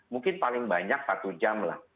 mungkin paling banyak satu jam lah